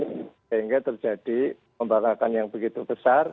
sehingga terjadi pembangkakan yang begitu besar